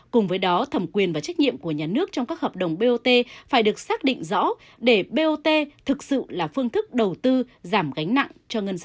cùng với đó thẩm quyền và trách nhiệm của nhà nước trong các hợp đồng bot phải được xác định rõ để bot thực sự là phương thức đầu tư giảm gánh nặng cho ngân sách